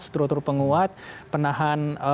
struktur penguat penahan